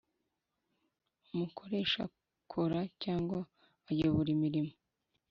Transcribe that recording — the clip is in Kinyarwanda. umukoresha akora cyangwa ayobora imirimo